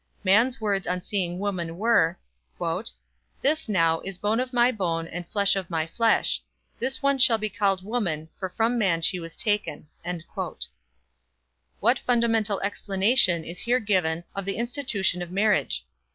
Man's words on seeing woman were: "This, now, is bone of my bone And flesh of my flesh. This one shall be called woman, For from man was she taken." What fundamental explanation is here given of the institution of marriage?